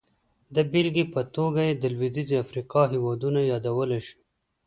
د بېلګې په توګه یې د لوېدیځې افریقا هېوادونه یادولی شو.